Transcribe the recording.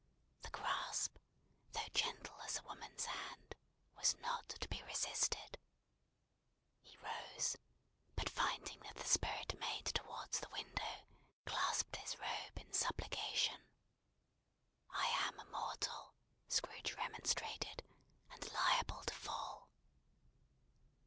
The grasp, though gentle as a woman's hand, was not to be resisted. He rose: but finding that the Spirit made towards the window, clasped his robe in supplication. "I am a mortal," Scrooge remonstrated, "and liable to fall."